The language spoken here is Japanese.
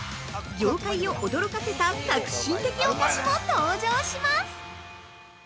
業界を驚かせた革新的お菓子も登場します。